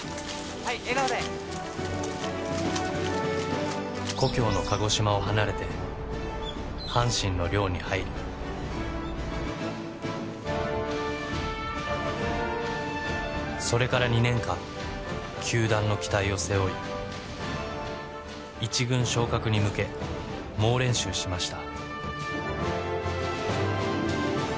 はい笑顔で故郷の鹿児島を離れて阪神の寮に入りそれから２年間球団の期待を背負い一軍昇格に向け猛練習しました